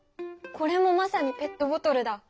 これもまさにペットボトルだ！